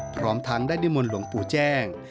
พร้อมทั้งได้ดิมลลบุแจ้ง